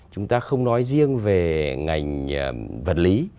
chúng ta không nói riêng về ngành vật lý